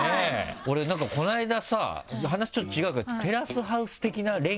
俺なんかこの間さ話ちょっと違うけど。